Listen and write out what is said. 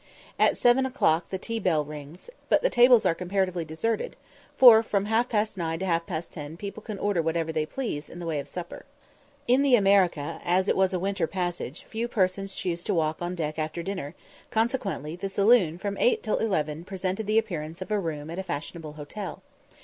At seven o'clock the tea bell rings, but the tables are comparatively deserted, for from half past nine to half past ten people can order whatever they please in the way of supper. In the America, as it was a winter passage, few persons chose to walk on deck after dinner, consequently the saloon from eight till eleven presented the appearance of a room at a fashionable hotel.